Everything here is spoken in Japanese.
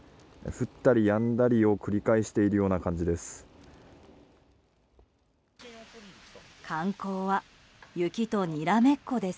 降ったりやんだりを繰り返しているような感じです。